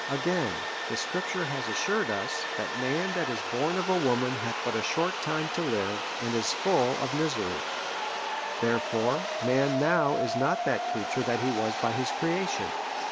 Again ; the Scripture has assured us, that man that is born of a woman hath but a short time to live, and' is full of misery ; therefore, man now is not that crea ture that he was by his creation.